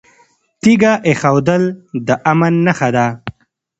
تیږه ایښودل د امن نښه ده